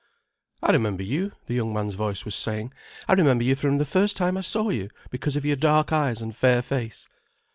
"I remember you," the young man's voice was saying. "I remember you from the first time I saw you, because of your dark eyes and fair face."